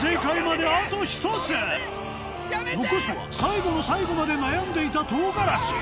残すは最後の最後まで悩んでいたトウガラシ